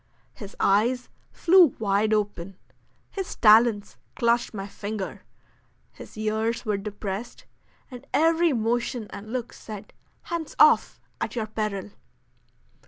His eyes flew wide open, his talons clutched my finger, his ears were depressed, and every motion and look said, "Hands off, at your peril."